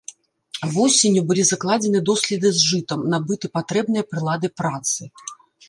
Восенню былі закладзены доследы з жытам, набыты патрэбныя прылады працы.